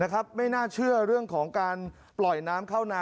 ไม่น่าเชื่อเรื่องของการปล่อยน้ำเข้านา